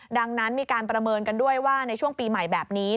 ดังนั้นมีการประเมินกันด้วยว่าในช่วงปีใหม่แบบนี้